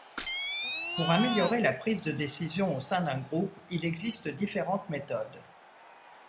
Pour améliorer la prise de décision au sein d’un groupe, il existe différentes méthodes.